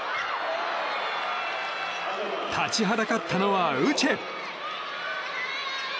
立ちはだかったのはウチェ。